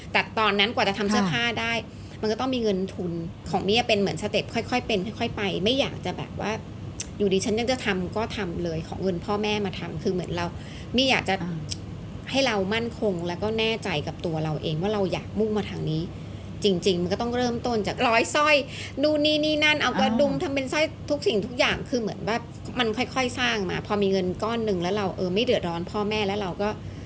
แต่ตอนนั้นกว่าจะทำเสื้อผ้าได้มันก็ต้องมีเงินทุนของมี่เป็นเหมือนสเต็ปค่อยเป็นค่อยไปไม่อยากจะแบบว่าอยู่ดีฉันยังจะทำก็ทำเลยของเงินพ่อแม่มาทำคือเหมือนเราไม่อยากจะให้เรามั่นคงแล้วก็แน่ใจกับตัวเราเองว่าเราอยากมุ่งมาทางนี้จริงมันก็ต้องเริ่มต้นจากร้อยสร้อยนู่นี่นี่นั่นเอากระดุมทำเป็นสร้อยทุก